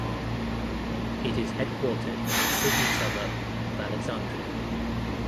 It is headquartered in the Sydney suburb of Alexandria.